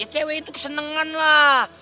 cewek itu kesenengan lah